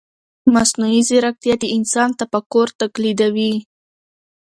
مصنوعي ځیرکتیا د انسان تفکر تقلیدوي.